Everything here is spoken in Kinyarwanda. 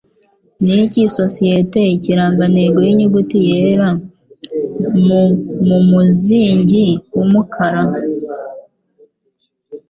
Niki Isosiyete Ikirangantego Yinyuguti Yera M Mumuzingi wumukara?